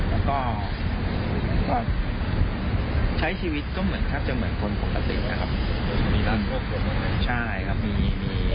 แล้วก็ใช้ชีวิตก็จะเหมือนคนปกติ